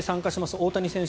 大谷選手